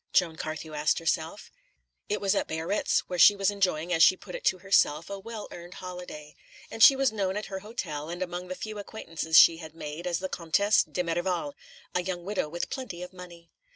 Joan Carthew asked herself. It was at Biarritz, where she was enjoying, as she put it to herself, a well earned holiday; and she was known at her hotel, and among the few acquaintances she had made, as the Comtesse de Merival, a young widow with plenty of money.